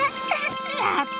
やった！